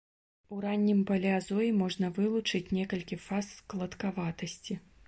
У раннім палеазоі можна вылучыць некалькі фаз складкаватасці.